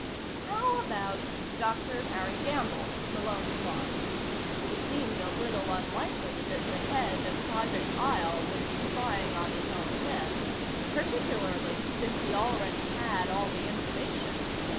How about Dr. Harry Gamble, Malone thought. It seemed a little unlikely that the head of Project Isle would be spying on his own men particularly since he already had all the information.